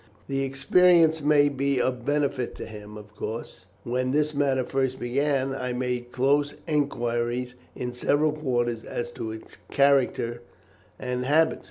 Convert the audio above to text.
"The experience may be of benefit to him. Of course, when this matter first began, I made close enquiries in several quarters as to his character and habits.